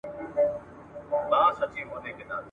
د کراري مو شېبې نه دي لیدلي !.